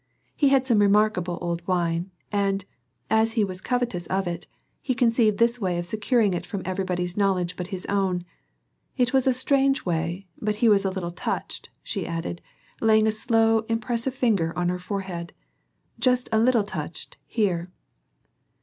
"He had some remarkable old wine, and, as he was covetous of it, he conceived this way of securing it from everybody's knowledge but his own. It was a strange way, but he was a little touched," she added, laying a slow impressive finger on her forehead, "just a little touched here."